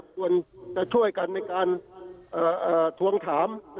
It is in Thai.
ควรช่วยกันในการทวงถาม